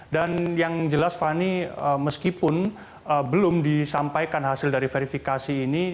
dan yang jelas fani meskipun belum disampaikan hasil dari verifikasi ini